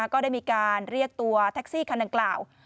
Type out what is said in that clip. ก็ได้มีการเรียกตัวแท็กซี่คันดังกล่าว